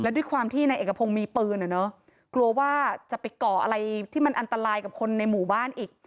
ด้วยความที่นายเอกพงศ์มีปืนอ่ะเนอะกลัวว่าจะไปก่ออะไรที่มันอันตรายกับคนในหมู่บ้านอีก